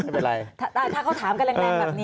ถ้าเขาถามกันแรงแบบนี้